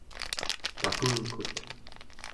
pakemkut